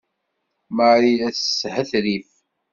Marie la teshetrif!